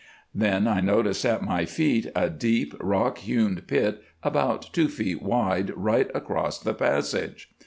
"Then I noticed at my feet a deep, rock hewn pit about two feet wide right across the passage.